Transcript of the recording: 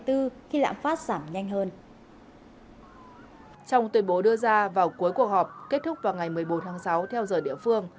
trong tuyên bố đưa ra vào cuối cuộc họp kết thúc vào ngày một mươi bốn tháng sáu theo giờ địa phương